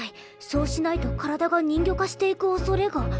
そうしないと体が人魚化していくおそれが」。